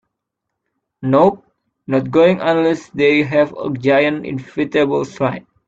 Nope, not going unless they have a giant inflatable slide.